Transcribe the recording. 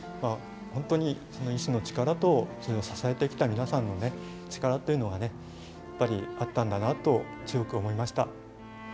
本当に、その意志の力と支えてきた皆さんの力というのがあったんだなと強く思いました。